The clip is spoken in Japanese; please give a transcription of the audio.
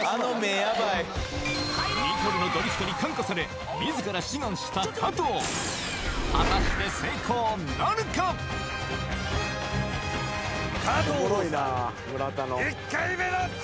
ヤバいニコルのドリフトに感化され自ら志願した加藤果たして加藤ローサ